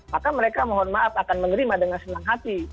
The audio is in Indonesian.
maka mereka mohon maaf akan menerima dengan senang hati